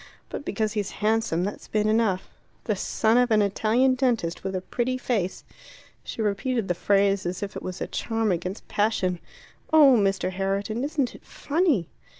But because he's handsome, that's been enough. The son of an Italian dentist, with a pretty face." She repeated the phrase as if it was a charm against passion. "Oh, Mr. Herriton, isn't it funny!"